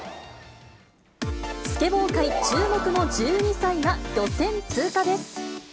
スケボー界注目の１２歳が予選通過です。